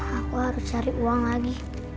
aku harus cari uang lagi